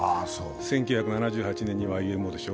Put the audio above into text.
１９７８年にＹＭＯでしょ。